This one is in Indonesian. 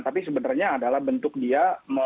tapi sebenarnya adalah bentuk dia